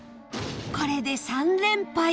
これで３連敗